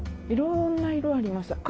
いろんな色あります。